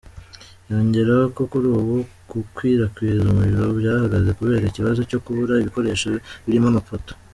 Yongeraho ko kuri ubu gukwirakwiza umuriro byahagaze kubera ikibazo cyo kubura ibikoresho birimo amapoto.